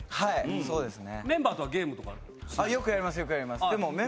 そうですね。